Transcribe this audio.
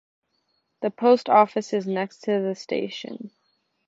The post office is next to the station.